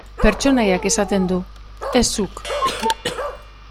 Pertsonaiak esaten du, ez zuk.